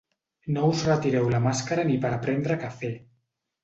No us retireu la màscara ni per a prendre cafè.